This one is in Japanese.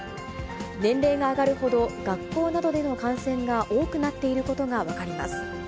年齢が上がるほど、学校などでの感染が多くなっていることが分かります。